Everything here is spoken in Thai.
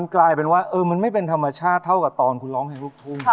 กลายเป็นว่าไม่ถูกเป็นธรรมชาติเท่ากับตอนร้องให้ลูกทุ่ง